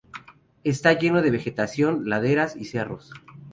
Está lleno de vegetación, laderas y cerros.